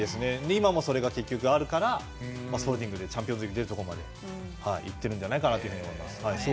今も、それが結局あるからスポルティングでチャンピオンズリーグに出るところまで行ってるんじゃないかなと思います。